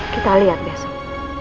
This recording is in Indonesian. kita lihat besok